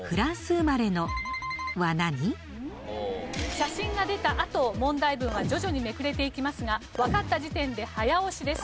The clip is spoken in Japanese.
写真が出たあと問題文は徐々にめくれていきますがわかった時点で早押しです。